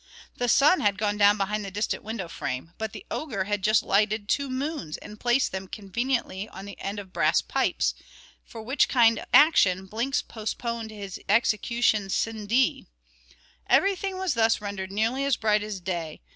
The sun had gone down behind the distant window frame; but the ogre had just lighted two moons, and placed them conveniently on the end of brass pipes, for which kind action Blinks postponed his execution sine die. Everything was thus rendered nearly as bright as day.